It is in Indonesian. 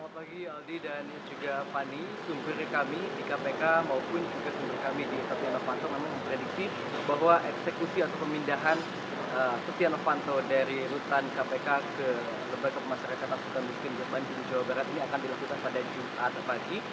pemindahan setia novanto dari lutan kpk ke lembaga pemasyarakatan suka miskin bandung jawa barat ini akan dilakukan pada jumat pagi